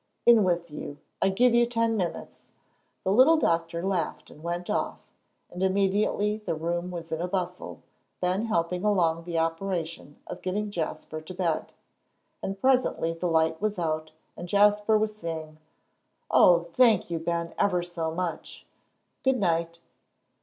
"In with you! I give you ten minutes." The little Doctor laughed and went off, and immediately the room was in a bustle, Ben helping along the operation of getting Jasper to bed. And presently the light was out and Jasper was saying, "Oh, thank you, Ben, ever so much. Good night."